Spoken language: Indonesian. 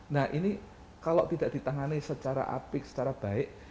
nah ini kalau tidak ditangani secara apik secara baik